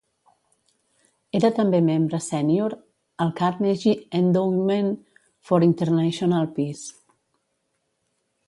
Era també membre sènior al Carnegie Endowment for International Peace.